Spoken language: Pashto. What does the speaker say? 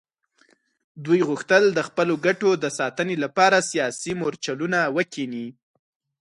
دوی غوښتل د خپلو ګټو د ساتنې لپاره سیاسي مورچلونه وکیني.